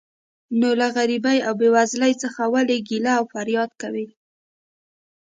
نو له غریبۍ او بې وزلۍ څخه ولې ګیله او فریاد کوې.